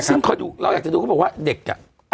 ซึ่งขอดูเราอยากจะดูก็บอกว่าเด็กอ่ะ